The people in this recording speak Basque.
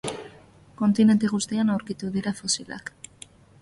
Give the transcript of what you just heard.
Kontinente guztietan aurkitu dira fosilak.